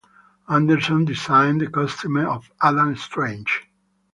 Anderson designed the costume of Adam Strange.